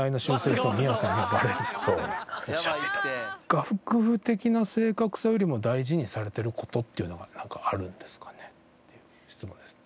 楽譜的な正確さよりも大事にされてる事っていうのがなんかあるんですかね？っていう質問ですね。